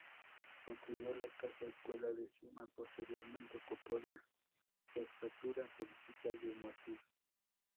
Construyó la casa escuela de Suma; Posteriormente ocupó la jefatura política de Motul.